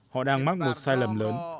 họ đang mắc một sai lầm lớn